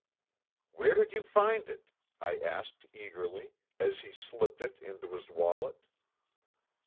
"Where did you find it?" I asked eagerly, as he slipped it into his wallet.